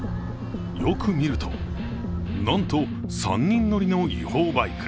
よく見ると、なんと３人乗りの違法バイク。